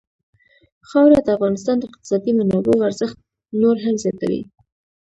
خاوره د افغانستان د اقتصادي منابعو ارزښت نور هم زیاتوي.